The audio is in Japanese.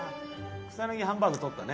草薙ハンバーグ取ったね。